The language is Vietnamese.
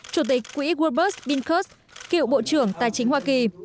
chủ tịch quỹ world bus binkers kiểu bộ trưởng tài chính hoa kỳ